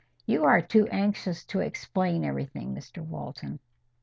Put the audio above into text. "You are too anxious to explain everything, Mr Walton."